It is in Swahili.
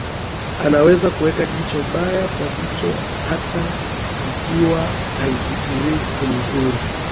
anaweza kuweka jicho baya kwa jicho hata ikiwa hafikirii kumdhuru